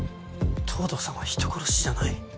藤堂さんは人殺しじゃない。